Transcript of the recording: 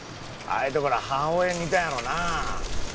あいうところ母親に似たんやろな